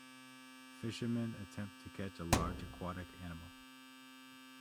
Fisherman attempt to catch a large aquatic animal.